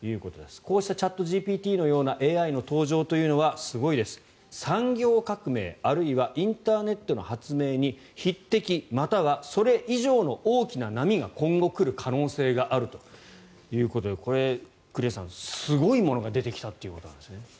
こうしたチャットＧＰＴのようなＡＩの登場というのは産業革命あるいはインターネットの発明に匹敵またはそれ以上の大きな波が今後、来る可能性があるということでこれ栗原さん、すごいものが出てきたということなんですね。